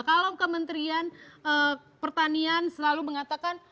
kalau kementerian pertanian selalu mengatakan